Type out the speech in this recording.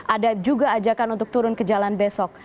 ada juga ajakan untuk turun ke jalan besok